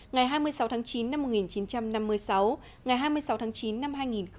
ngày hai mươi sáu tháng chín năm một nghìn chín trăm năm mươi sáu ngày hai mươi sáu tháng chín năm hai nghìn một mươi chín